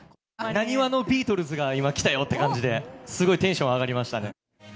なにわのビートルズが今来たよーって感じで、すごいテンション上がりましたね。